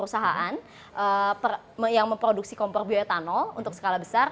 perusahaan yang memproduksi kompor bioetano untuk skala besar